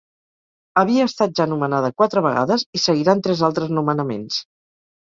Havia estat ja nomenada quatre vegades i seguiran tres altres nomenaments.